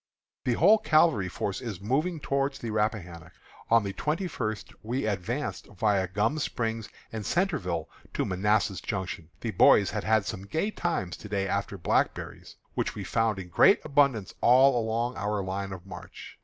The whole cavalry force is moving towards the Rappahannock. On the twenty first we advanced viâ Gum Spring and Centreville to Manassas Junction. The boys have had some gay times to day after blackberries, which we found in great abundance all along our line of march.